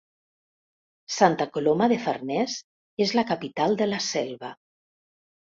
Santa Coloma de Farners és la capital de la Selva.